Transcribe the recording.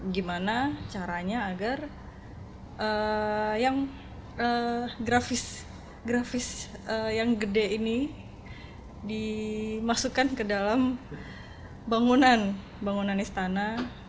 gimana caranya agar yang grafis grafis yang gede ini dimasukkan ke dalam bangunan bangunan istana